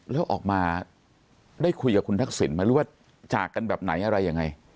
แล้วออกมาได้คุยกับคุณทักษิณไหมหรือว่าจากกันแบบไหนอะไรยังไง